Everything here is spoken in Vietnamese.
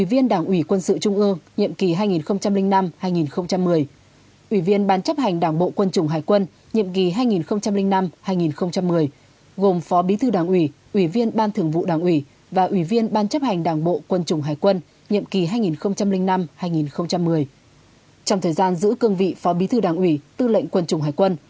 trong thời gian giữ cương vị phó bí thư đảng ủy tư lệnh quân chủng hải quân